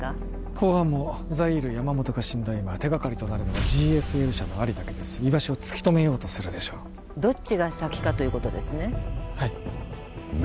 公安もザイール山本が死んだ今手掛かりとなるのはＧＦＬ社のアリだけです居場所を突き止めようとするでしょうどっちが先かということですね